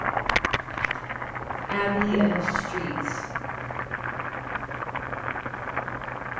Abbey of Sts.